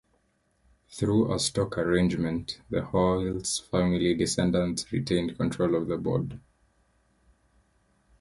Through a stock arrangement, the Hoiles family descendants retained control of the board.